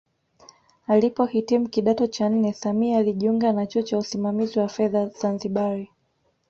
Alipohitimu kidato cha nne Samia alijiunga na chuo cha usimamizi wa fedha Zanzibari